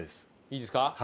いいですか？